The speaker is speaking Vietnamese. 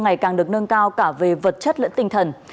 ngày càng được nâng cao cả về vật chất lẫn tinh thần